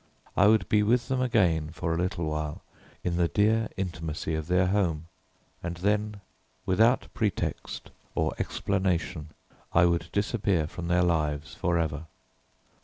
I would be with them again for a little while in the dear intimacy of their home, and then, without pretext or explanation, I would disappear from their lives for ever.